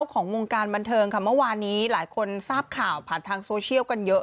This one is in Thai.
ของวงการบันเทิงค่ะเมื่อวานนี้หลายคนทราบข่าวผ่านทางโซเชียลกันเยอะ